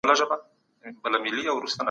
د کابل ښاریان ولې دهندي ډرامو سره مینه لري؟